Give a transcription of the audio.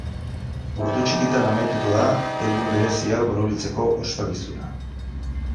Ordu txikitan amaituko da egun berezi hau borobiltzeko ospakizuna.